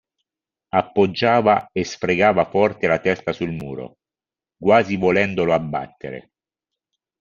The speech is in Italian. Appoggiava e sfregava forte la testa sul muro, quasi volendolo abbattere.